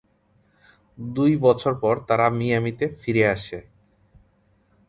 দুই বছর পর তারা মিয়ামিতে ফিরে আসে।